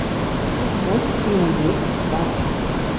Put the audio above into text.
Вось і ўвесь сказ.